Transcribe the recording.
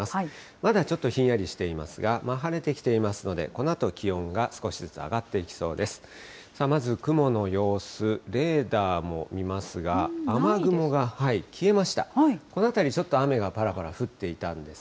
まだちょっとひんやりしていますが、晴れてきていますので、このあと気温が少しずつ上がっていきそうです。